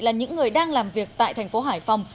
là những người đang làm việc tại thành phố hải phòng